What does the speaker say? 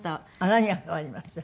何が変わりました？